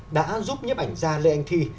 đã giúp nhấp ảnh ra lê anh thi